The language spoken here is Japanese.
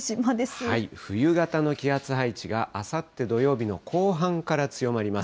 冬型の気圧配置が、あさって土曜日の後半から強まります。